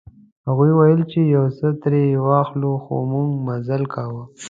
هغوی ویل چې یو څه ترې واخلو خو موږ مزل کاوه.